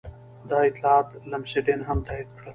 دا اطلاعات لمسډن هم تایید کړل.